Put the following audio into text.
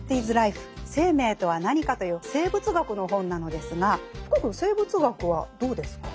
生命とは何か」という生物学の本なのですが福くん生物学はどうですか？